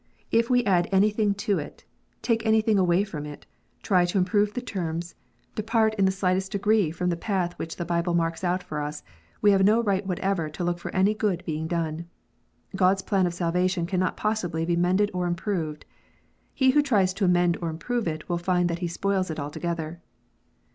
If we add anything to it, take anything away from it, try to improve the terms, EVANGELICAL RELIGION. 19 depart in the slightest degree from the path which the Bible marks out for us, we have no right whatever to look for any good being done. God s plan of salvation cannot possibly be mended or improved. He who tries to amend or improve it, will find that he spoils it altogether.